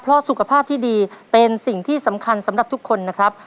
เพราะสุขภาพที่ดีเป็นสิ่งที่สำคัญสำหรับทุกคนนะครับ